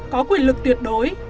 có quyền lực tuyệt đối